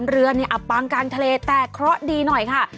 เรือเนี่ยอับปางกลางทะเลแต่เคราะห์ดีหน่อยค่ะ